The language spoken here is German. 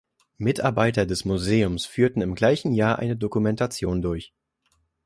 Mitarbeiter des Museums führten im gleichen Jahr eine Dokumentation durch.